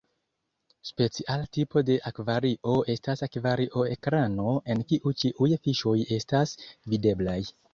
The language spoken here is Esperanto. Speciala tipo de akvario estas akvario-ekrano en kiu ĉiuj fiŝoj estas videblaj.